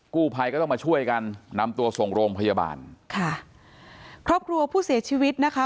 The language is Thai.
กู้ภัยก็ต้องมาช่วยกันนำตัวส่งโรงพยาบาลค่ะครอบครัวผู้เสียชีวิตนะคะ